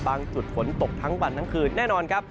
จุดฝนตกทั้งวันทั้งคืนแน่นอนครับ